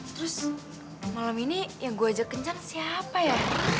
terus malam ini yang gue ajak kencang siapa ya